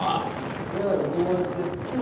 俺だからこうやってやって。